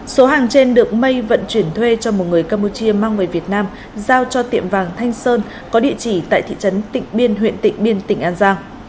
số hàng trên được mây vận chuyển thuê cho một người campuchia mang về việt nam giao cho tiệm vàng thanh sơn có địa chỉ tại thị trấn tịnh biên huyện tịnh biên tỉnh an giang